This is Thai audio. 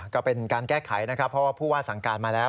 ก็เป็นการแก้ไขนะครับเพราะว่าผู้ว่าสั่งการมาแล้ว